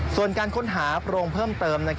ส่วนการค้นหาโพรงเพิ่มเติม